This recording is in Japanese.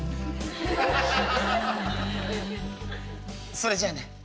「それじゃあね」。